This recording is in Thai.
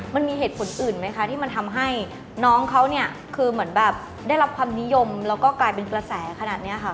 มันมีเหตุผลอื่นไหมคะที่มันทำให้น้องเขาเนี่ยคือเหมือนแบบได้รับความนิยมแล้วก็กลายเป็นกระแสขนาดนี้ค่ะ